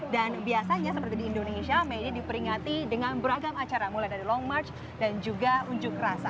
dan biasanya seperti di indonesia may day diperingati dengan beragam acara mulai dari long march dan juga unjuk rasa